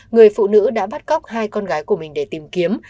người phụ nữ đã bắt cóc hai con gái của mình để tìm kiếm